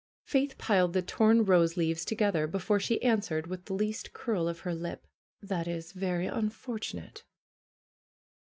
Faith piled the torn rose leaves together before she answered with the least curl of her lip: "That is very unfortunate